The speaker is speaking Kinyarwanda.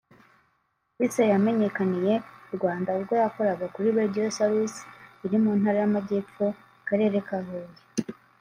Gisa yamenyekaniye mu Rwanda ubwo yakoraga kuri Radio Salus iri mu ntara y’amajyepfo mu karere ka Huye